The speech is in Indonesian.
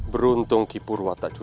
beruntung niki purwa tak curiga